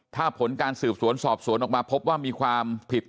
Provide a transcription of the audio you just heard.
ถ้าผลการสืบสวนสอบสวนออกมาพบว่ามีความผิด